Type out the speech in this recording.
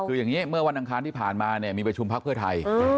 คืออย่างนี้เมื่อวันอังคารที่ผ่านมาเนี่ยมีประชุมพักเพื่อไทย